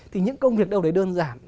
thì những công việc đâu đấy đơn giản